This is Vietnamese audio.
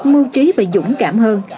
mưu trí và dũng cảm hơn